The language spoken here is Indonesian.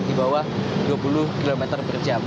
di bawah dua puluh km per jam